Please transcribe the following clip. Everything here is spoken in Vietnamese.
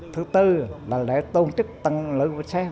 thứ tư là lễ tôn trích tăng lưỡi vũ trang